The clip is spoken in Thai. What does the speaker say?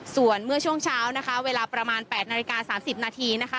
ส่วนเมื่อช่วงเช้านะคะเวลาประมาณ๘นาฬิกา๓๐นาทีนะคะ